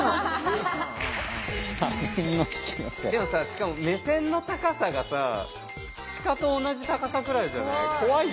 しかも目線の高さがさ鹿と同じ高さくらいじゃない？